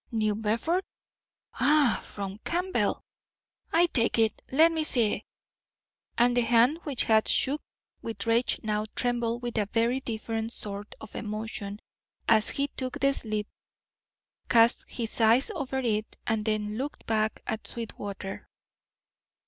"New Bedford; ah, from Campbell, I take it. Let me see!" And the hand which had shook with rage now trembled with a very different sort of emotion as he took the slip, cast his eyes over it, and then looked back at Sweetwater.